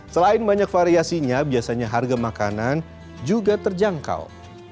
selain banyak variasinya biasanya harga makanan juga terjangkau